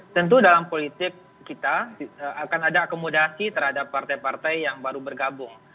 tentu dalam politik kita akan ada akomodasi terhadap partai partai yang baru bergabung